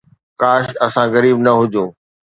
ڪاش اسان غريب نه هجون